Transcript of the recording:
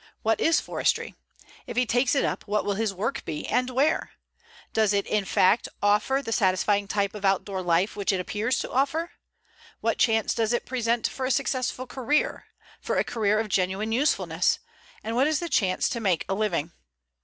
What is forestry? If he takes it up, what will his work be, and where? Does it in fact offer the satisfying type of outdoor life which it appears to offer? What chance does it present for a successful career, for a career of genuine usefulness, and what is the chance to make a living?